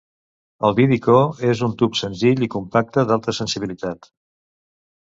El vidicó és un tub senzill i compacte d'alta sensibilitat.